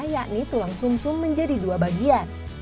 yakni tulang sum sum menjadi dua bagian